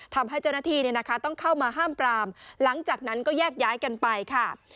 ทำให้เจ้าหน้าที่ต้องเข้ามาห้ามปรามหลังจากนั้นก็แยกย้ายกันไปค่ะ